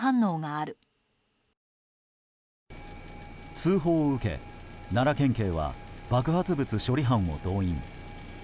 通報を受け、奈良県警は爆発物処理班を動員。